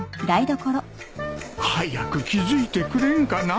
早く気付いてくれんかな